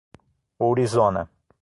Ourizona